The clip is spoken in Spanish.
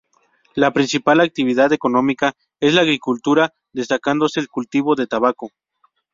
La principal actividad económica es la agricultura, destacándose el cultivo de tabaco.